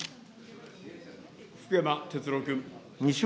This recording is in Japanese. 福山哲郎